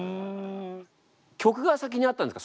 曲が先にあったんですか？